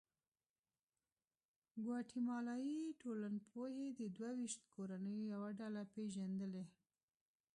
ګواتیمالایي ټولنپوهې د دوه ویشت کورنیو یوه ډله پېژندلې.